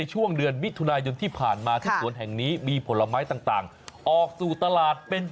จังหวัดภังงาน